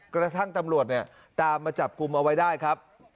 กระทั่งตำรวจตามมาจับคุมเอาไว้ได้ครับ